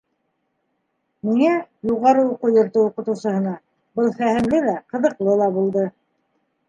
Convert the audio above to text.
Миңә, юғары уҡыу йорто уҡытыусыһына, был фәһемле лә, ҡыҙыҡлы ла булды.